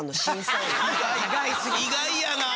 意外やな！